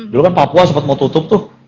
dulu kan papua sempat mau tutup tuh